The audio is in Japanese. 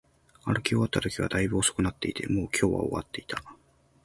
歩き終わったときは、大分遅くなっていて、もう今日は終わっていた